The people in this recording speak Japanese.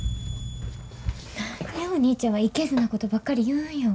何でお兄ちゃんはいけずなことばっかり言うんよ。